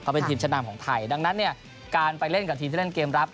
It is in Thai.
เป็นทีมชั้นนำของไทยดังนั้นเนี่ยการไปเล่นกับทีมที่เล่นเกมรับ